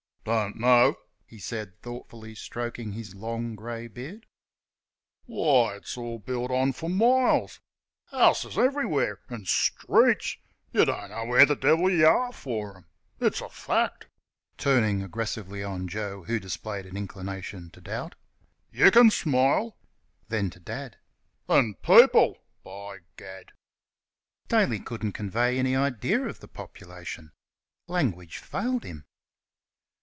"Don't know," he said, thoughtfully stroking his long grey beard. "Why, it's all built on fer miles houses everywhere; an' streets! y' don't know where th' divil y' are fer them. ... It's a fact!" (turning aggressively on Joe, who displayed an inclination to doubt) "yer can smile!" (Then to Dad) "And people! By gad!" Daly couldn't convey any idea of the population. Language failed him.